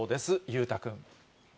裕太君。